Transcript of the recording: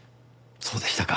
そうでしたか。